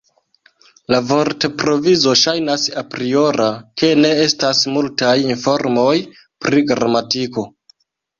La vortprovizo ŝajnas apriora kaj ne estas multaj informoj pri gramatiko.